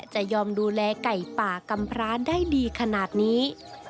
จะยอมดูแลไก่ป่ากำพร้าได้ดีขนาดนี้